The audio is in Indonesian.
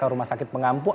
rumah sakit pengampu